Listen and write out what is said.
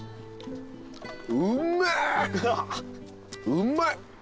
うまい！